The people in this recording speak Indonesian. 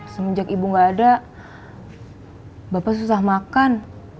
semenjak ibu nggak ada bapak susah makan